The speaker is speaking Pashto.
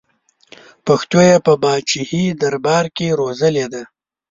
پښتو یې په پاچاهي دربار کې روزلې ده.